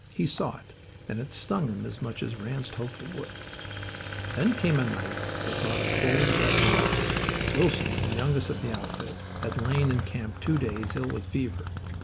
He saw it, and it stung him as much as Ranse hoped it would. Then came a night that brought a cold, wet norther. Wilson, the youngest of the outfit, had lain in camp two days, ill with fever.